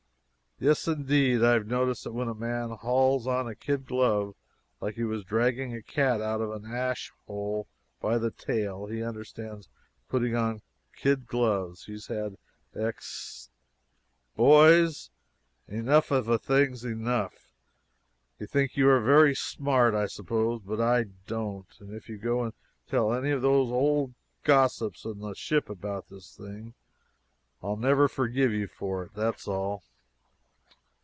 "Yes, indeed, I've noticed that when a man hauls on a kid glove like he was dragging a cat out of an ash hole by the tail, he understands putting on kid gloves; he's had ex " "Boys, enough of a thing's enough! You think you are very smart, I suppose, but I don't. And if you go and tell any of those old gossips in the ship about this thing, I'll never forgive you for it; that's all."